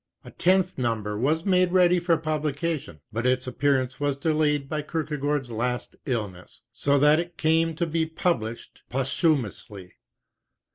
A tenth num ber was made ready for publication, but its appearance was delayed by Kierkegaard's last illness, so that it came to be published posthumously.